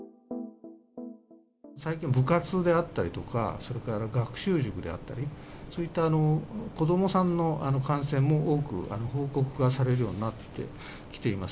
最近は部活であったりとか、それから学習塾であったり、そういった子どもさんの感染も、多く報告がされるようになってきています。